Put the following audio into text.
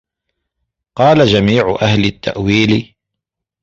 قَالَ جَمِيعُ أَهْلِ التَّأْوِيلِ